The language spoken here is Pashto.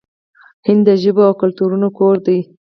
هند د ژبو او کلتورونو کور دی.